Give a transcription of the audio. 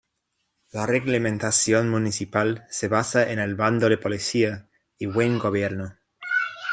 La reglamentación municipal se basa en el Bando de policía y buen gobierno.